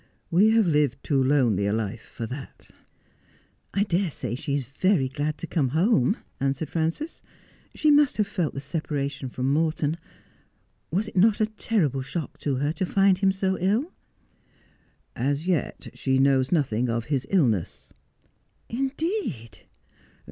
We have lived too lonely a life for that.' ' I dare say she is very glad to come home ']' answered Frances. ' She must have felt the separation from Morton. Was it not a terrible shock to her to find him so ill 'I ' 1 As yet she knows nothing of his illness." ' Indeed